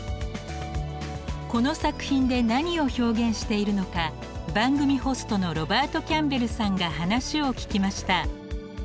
この作品で何を表現しているのか番組ホストのロバート・キャンベルさんが話を聞きました。